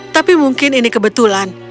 tapi mungkin ini kebetulan